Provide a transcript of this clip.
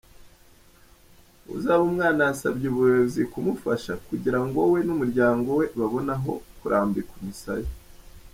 Uzabumwana yasabye ubuyobozi kumufasha kugira ngo we n’umuryango we babone aho kurambika umusaya.